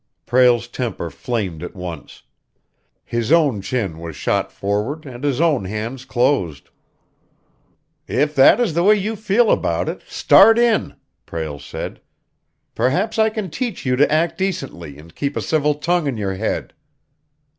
Prale's temper flamed at once. His own chin was shot forward, and his own hands closed. "If that is the way you feel about it, start in!" Prale said. "Perhaps I can teach you to act decently and keep a civil tongue in your head!"